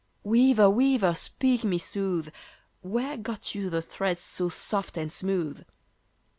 "Weaver, weaver, speak me, sooth, Where got you the threads so soft and smooth?"